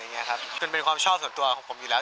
มันเป็นความชอบส่วนตัวของผมอยู่แล้ว